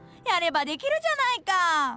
やればできるじゃないか！